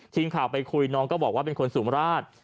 ทีมข่าวไปคุยน้องก็บอกว่าเป็นคนสุมราช